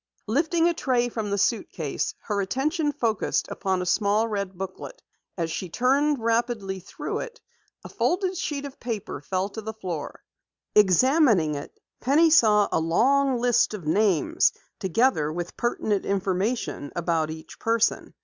Lifting a tray from the suitcase, her attention focused upon a small red booklet. As she turned rapidly through it, a folded sheet of paper fell to the floor. Examining it, Penny saw a long list of names, together with pertinent information about each person.